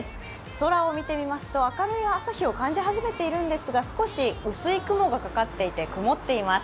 空を見てみますと明るい朝日を感じ始めているんですが少し薄い雲がかかっていて曇っています。